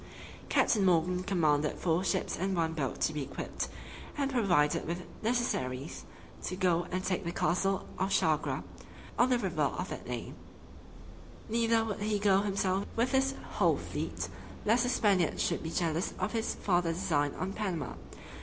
Captain Morgan commanded four ships and one boat to be equipped, and provided with necessaries, to go and take the castle of Chagre, on the river of that name; neither would he go himself with his whole fleet, lest the Spaniards should be jealous of his farther design on Panama.